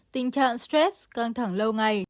tình trạng stress căng thẳng lâu ngày